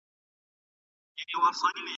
ځان غوښتلې ځان وژنه د اړيکو د کمزورۍ پايله ده.